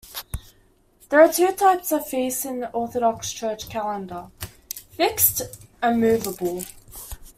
There are two types of feasts in the Orthodox Church calendar: fixed and movable.